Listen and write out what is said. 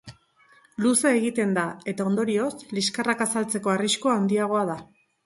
Luze egiten da, eta ondorioz, liskarrak azaltzeko arriskua handiagoa da.